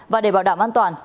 và để bảo đảm an toàn